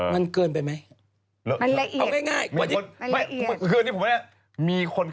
มันเกินไปไหม